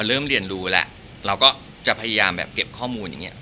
เริ่มเรียนรู้แล้วเราก็จะพยายามแบบเก็บข้อมูลอย่างนี้